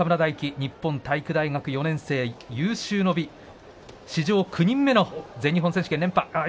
日本体育大学４年生の有終の美、史上９人目の全日本選手権、連覇です。